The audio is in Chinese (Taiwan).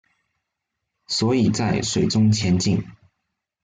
所以在水中前進